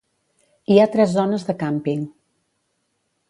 Hi ha tres zones de càmping.